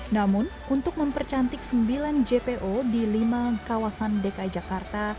namun untuk mempercantik sembilan jpo di lima kawasan dki jakarta